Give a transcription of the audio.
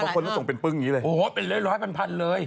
ป้องคนก็ส่งเป็นปึ้งอย่างนี้เลย